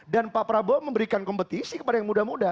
dan pak prabowo memberikan kompetisi kepada yang muda muda